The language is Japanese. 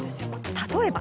例えば。